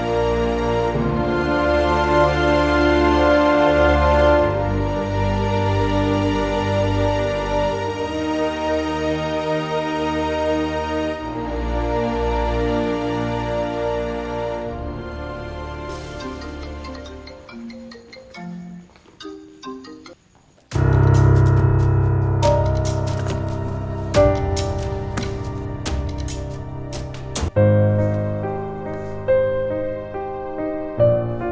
ibu panggilnya suster ya